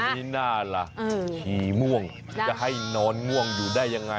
มีหน้าล่ะผีม่วงจะให้นอนง่วงอยู่ได้ยังไง